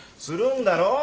するんだろ？